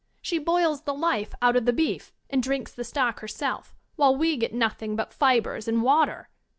She boils the life out of the beef, and drinks the stock herself, while we get nothing but fibres and water.